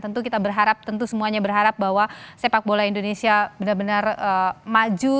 tentu kita berharap tentu semuanya berharap bahwa sepak bola indonesia benar benar maju